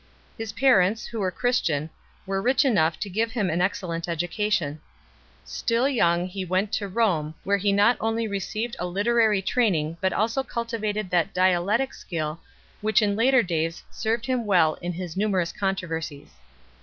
His parents, who were Christian, were rich enough to give him an excellent education 2 . Still young, he went to Rome, where he not only received a literary training but also cultivated that dialectic skill which in later days served him well in his numerous controversies 3